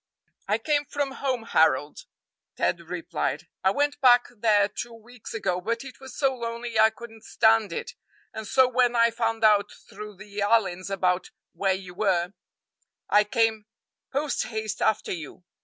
"I came from home, Harold," Ted replied; "I went back there two weeks ago, but it was so lonely I couldn't stand it, and so when I found out through the Allyns about where you were, I came posthaste after you.